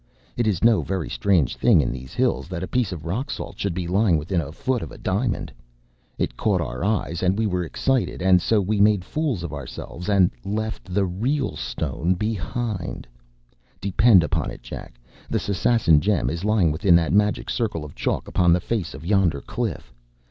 It is no very strange thing in these hills that a piece of rock salt should be lying within a foot of a diamond. It caught our eyes, and we were excited, and so we made fools of ourselves, and left the real stone behind. Depend upon it, Jack, the Sasassa gem is lying within that magic circle of chalk upon the face of yonder cliff.